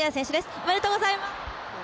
おめでとうございます。